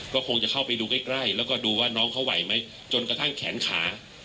ก็คงจะเข้าไปดูใกล้ใกล้แล้วก็ดูว่าน้องเขาไหวไหมจนกระทั่งแขนขา